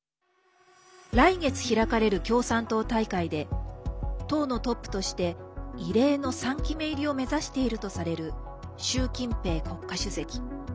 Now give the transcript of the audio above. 来月開かれる共産党大会で党のトップとして異例の３期目入りを目指しているとされる習近平国家主席。